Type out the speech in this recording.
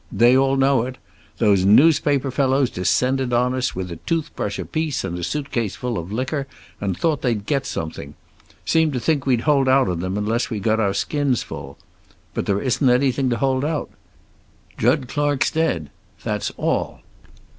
They all know it. Those newspaper fellows descended on us here with a tooth brush apiece and a suitcase full of liquor, and thought they'd get something. Seemed to think we'd hold out on them unless we got our skins full. But there isn't anything to hold out. Jud Clark's dead. That's all."